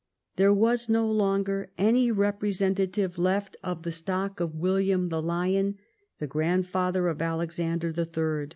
There was no longer any representative left of the stock of William the Lion, the grandfather of Alexander in.